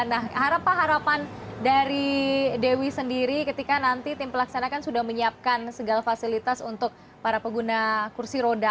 nah harapan harapan dari dewi sendiri ketika nanti tim pelaksana kan sudah menyiapkan segala fasilitas untuk para pengguna kursi roda